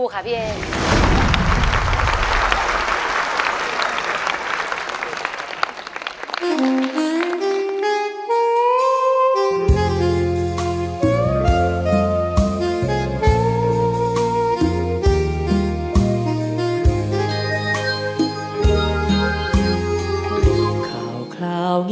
ใช้ครับ